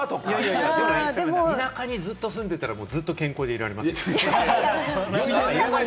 田舎にずっと住んでたらずっと健康でいられますよ。